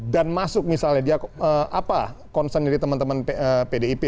dan masuk misalnya dia concern dari teman teman pdip